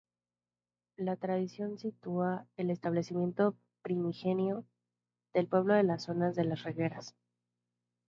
La tradición sitúa el establecimiento primigenio del pueblo en la zona de "Las regueras".